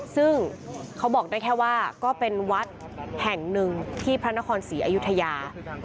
ซึ่งเขาบอกได้แค่ว่าก็เป็นวัดแห่งหนึ่งที่พระนครศรีอยุธยา